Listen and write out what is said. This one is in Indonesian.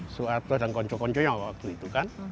soeharto dan konco konconya waktu itu kan